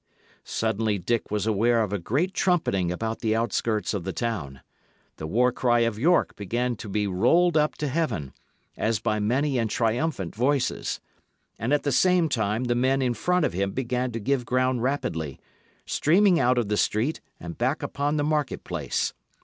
Suddenly Dick was aware of a great trumpeting about the outskirts of the town. The war cry of York began to be rolled up to heaven, as by many and triumphant voices. And at the same time the men in front of him began to give ground rapidly, streaming out of the street and back upon the market place.